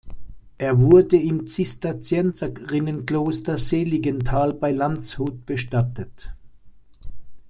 Er wurde im Zisterzienserinnenkloster Seligenthal bei Landshut bestattet.